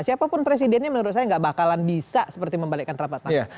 siapapun presidennya menurut saya nggak bakalan bisa seperti membalikkan telapak tangan